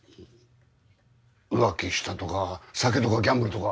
浮気したとか酒とかギャンブルとか。